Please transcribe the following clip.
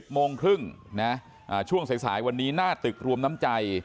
โมงครึ่งนะช่วงสายวันนี้หน้าตึกรวมน้ำใจ